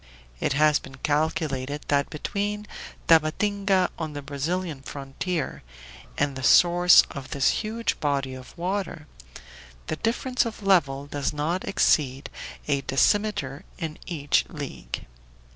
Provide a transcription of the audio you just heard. It has been calculated that between Tabatinga on the Brazilian frontier, and the source of this huge body of water, the difference of level does not exceed a decimeter in each league.